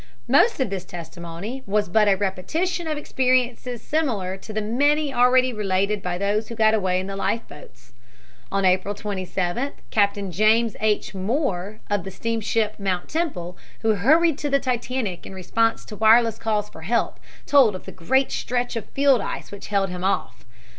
Most of this testimony was but a repetition of experiences similar to the many already related by those who got away in the life boats. On April 27th Captain James H. Moore, of the steamship Mount Temple, who hurried to the Titanic in response to wireless calls for help, told of the great stretch of field ice which held him off.